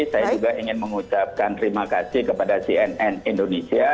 saya juga ingin mengucapkan terima kasih kepada cnn indonesia